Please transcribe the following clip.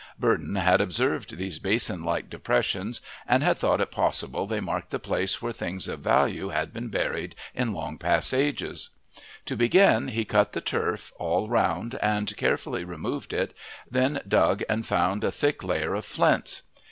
Burdon had observed these basin like depressions and had thought it possible they marked the place where things of value had been buried in long past ages. To begin he cut the turf all round and carefully removed it, then dug and found a thick layer of flints.